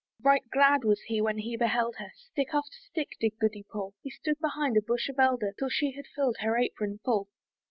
Right glad was he when he beheld her: Stick after stick did Goody pull, He stood behind a bush of elder, Till she had filled her apron full.